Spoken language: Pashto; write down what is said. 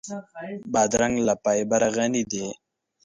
بادرنګ له فایبره غني دی.